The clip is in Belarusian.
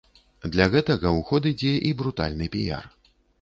Для гэтага ў ход ідзе і брутальны піяр.